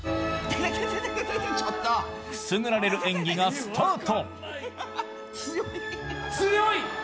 くすぐられる演技がスタート。